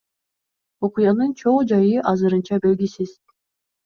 Окуянын чоо жайы азырынча белгисиз.